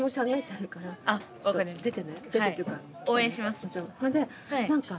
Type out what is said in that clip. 応援します！